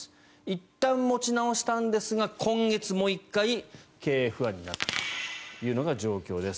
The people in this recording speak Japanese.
いったん持ち直したんですが今月、もう１回経営不安になったという状況です。